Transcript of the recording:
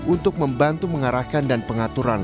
untuk membantu mengarahkan dan pengaturan